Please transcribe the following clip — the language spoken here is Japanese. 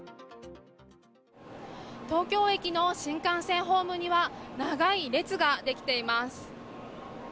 東京駅の新幹線ホームには、長い列が出来ています。